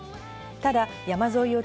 ただ、山沿いを